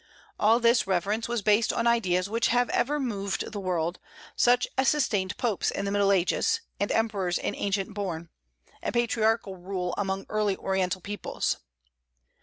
All this reverence was based on ideas which have ever moved the world, such as sustained popes in the Middle Ages, and emperors in ancient Borne, and patriarchal rule among early Oriental peoples.